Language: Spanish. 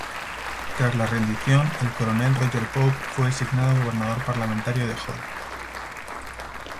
Tras la rendición, el Coronel Roger Pope fue designado gobernador parlamentario de Holt.